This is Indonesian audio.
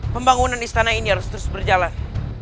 pembangunan istana ini harus terus berjalan